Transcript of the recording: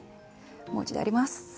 もう一度、やります。